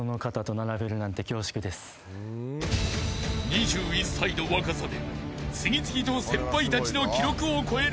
［２１歳の若さで次々と先輩たちの記録を超える快進撃］